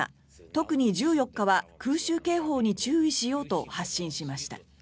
特に１４日は空襲警報に注意しようと発信しました。